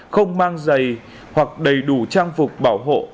không mang giày hoặc đầy đủ trang phục bảo hộ